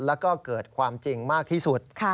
แล้วก็เกิดความจริงมากที่สุด